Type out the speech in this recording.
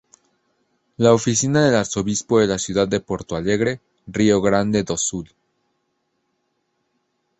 La oficina del arzobispo de la ciudad de Porto Alegre, Rio Grande do Sul